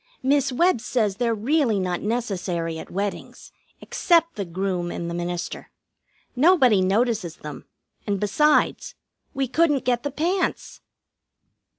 Miss Webb says they're really not necessary at weddings, except the groom and the minister. Nobody notices them, and, besides, we couldn't get the pants.